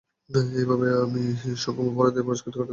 এভাবেই আমি সঙ্কর্ম পরায়ণদের পুরস্কৃত করে থাকি।